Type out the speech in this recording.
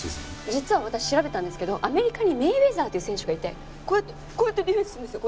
実は私調べたんですけどアメリカにメイウェザーっていう選手がいてこうやってこうやってディフェンスするんですよ。